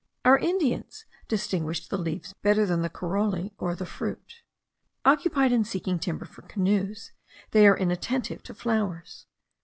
Our Indians distinguished the leaves better than the corollae or the fruit. Occupied in seeking timber for canoes, they are inattentive to flowers.